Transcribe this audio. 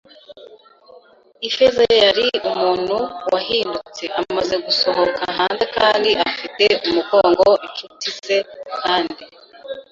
Ifeza yari umuntu wahindutse amaze gusohoka hanze kandi afite umugongo inshuti ze kandi